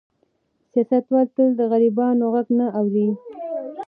سیاستوال تل د غریبانو غږ نه اوري.